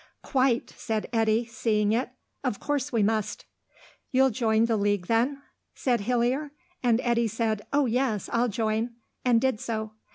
"Quite," said Eddy, seeing it. "Of course we must." "You'll join the Guild, then?" said Hillier, and Eddy said, "Oh, yes, I'll join," and did so.